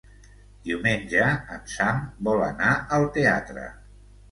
Diumenge en Sam vol anar al teatre.